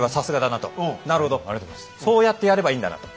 なるほどそうやってやればいいんだなと。